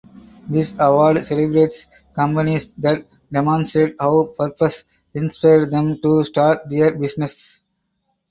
This award celebrates companies that demonstrate how purpose inspired them to start their business.